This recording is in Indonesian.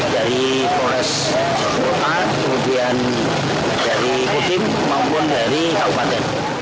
di kores bota kemudian dari putim kemudian dari kabupaten